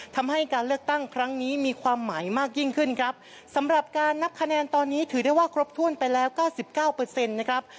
ทำให้การเลือกตั้งครั้งนี้มีความหมายมากยิ่งขึ้นครับสำหรับการนับคะแนนตอนนี้ถือได้ว่าครบถ้วนไปแล้วเก้าสิบเก้าเปอร์เซ็นต์นะครับ